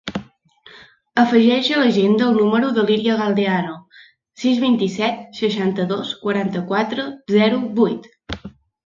Afegeix a l'agenda el número de l'Iria Galdeano: sis, vint-i-set, seixanta-dos, quaranta-quatre, zero, vuit.